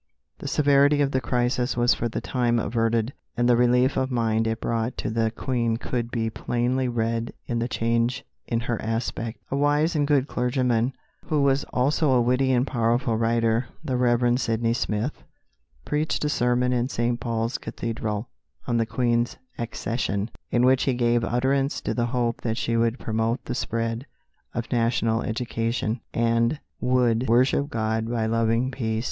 The severity of the crisis was for the time averted, and the relief of mind it brought to the Queen could be plainly read in the change in her aspect. A wise and good clergyman, who was also a witty and powerful writer, the Rev. Sydney Smith, preached a sermon in St. Paul's Cathedral on the Queen's accession, in which he gave utterance to the hope that she would promote the spread of national education, and would "worship God by loving peace."